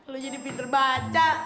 lu jadi pinter baca